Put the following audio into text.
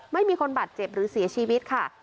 ไม่มีคนบาดเจ็บหรือเสียชีวิตค่ะ